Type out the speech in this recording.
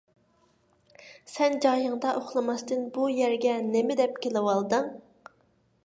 سەن جايىڭدا ئۇخلىماستىن بۇ يەرگە نېمىدەپ كېلىۋالدىڭ؟